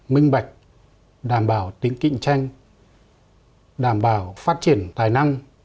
minh bạch đảm bảo tính cạnh tranh đảm bảo phát triển tài năng